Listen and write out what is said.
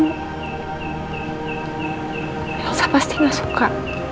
elsa pasti gak suka